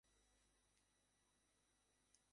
Electric razor ব্যবহার কর না কেন?